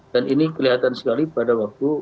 dan ini kelihatan sekali pada waktu